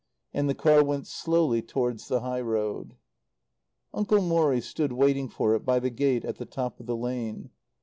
And the car went slowly towards the high road. Uncle Morrie stood waiting for it by the gate at the top of the lane.